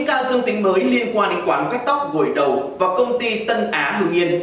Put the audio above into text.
chín ca dương tình mới liên quan đến quán quét tóc gồi đầu và công ty tân á hương yên